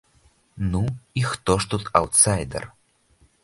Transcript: Ну, і хто ж тут аўтсайдар?